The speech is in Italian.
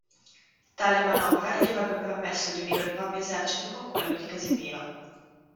Tale manovra gli avrebbe permesso di unire il proprio esercito con quello di Casimiro.